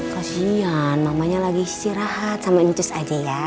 kosnyian mamanya lagi istirahat sama incus aja ya